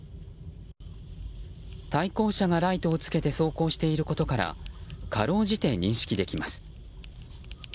対向車がライトをつけて走行していることからかろうじて認識できます。